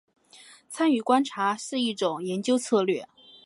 参与观察是一种研究策略。